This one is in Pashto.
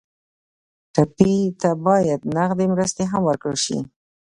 ټپي ته باید نغدې مرستې هم ورکړل شي.